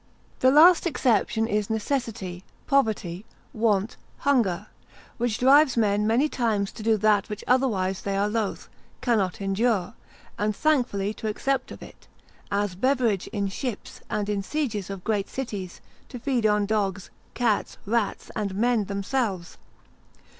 The last exception is necessity, poverty, want, hunger, which drives men many times to do that which otherwise they are loath, cannot endure, and thankfully to accept of it: as beverage in ships, and in sieges of great cities, to feed on dogs, cats, rats, and men themselves.